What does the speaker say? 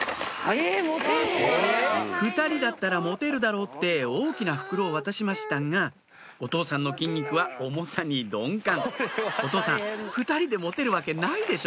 ２人だったら持てるだろうって大きな袋を渡しましたがお父さんの筋肉は重さに鈍感お父さん２人で持てるわけないでしょ